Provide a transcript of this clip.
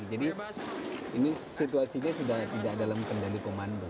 jadi ini situasinya sudah tidak dalam kendali komando